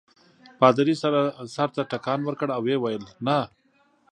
پادري سر ته ټکان ورکړ او ویې ویل نه.